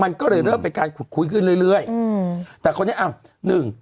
มันก็เลยเริ่มเป็นการคุยขึ้นเรื่อยแต่เขาเนี่ยอ้าวหนึ่ง